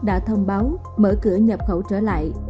đã thông báo mở cửa nhập khẩu trở lại